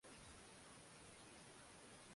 Uwezo wa macho kuona ukaanza kupungua